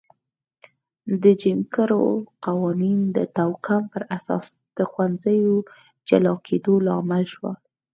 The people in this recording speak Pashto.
د جیم کرو قوانین د توکم پر اساس د ښوونځیو جلا کېدو لامل شول.